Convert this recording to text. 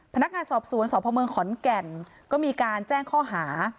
พนักงานสอบสวนสพเมืองขอนแก่นก็มีการแจ้งข้อหา